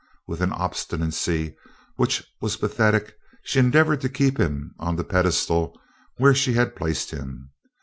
With an obstinacy which was pathetic, she endeavored to keep him on the pedestal where she had placed him.